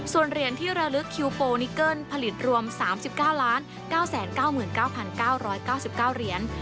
ส่วนเหรียญที่ระลึกคิวโปนิเกิ้ลผลิตรวม๓๙๙๙๙๙๙๙๙เหรียญ